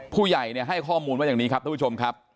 ผู้ใหญ่ให้ข้อมูลว่าอย่างนี้ครับทุกผู้ชมครับ